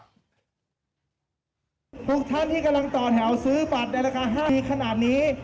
ทุกท่านที่กำลังต่อแถวซื้อบัตรในราคา๕ขนาดนี้